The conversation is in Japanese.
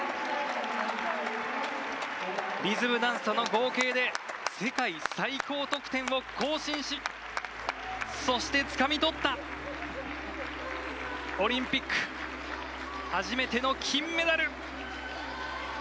リズムダンスとの合計で世界最高得点を更新しそして、つかみとったオリンピック初めての金メダル！